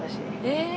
へえ！